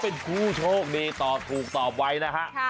เป็นผู้โชคดีตอบถูกตอบไว้นะฮะ